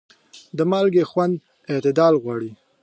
د مالګې خوند اعتدال غواړي.